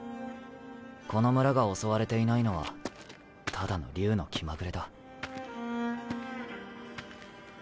この村が襲われていないのはただの竜の気まぐれだ。